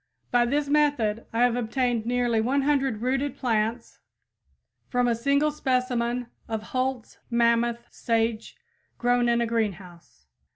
By this method I have obtained nearly 100 rooted plants from a single specimen of Holt's Mammoth sage grown in a greenhouse.